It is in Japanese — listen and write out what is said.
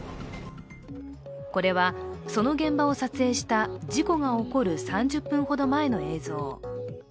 これはその現場を撮影した事故が起こる３０分ほど前の映像。